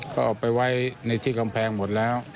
ก็เอาไปไว้ในที่กำแพงหมดแล้ว